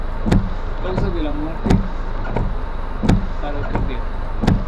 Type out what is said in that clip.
Causa de la muerte: paro cardíaco.